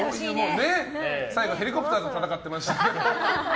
最後、ヘリコプターと戦ってましたけど。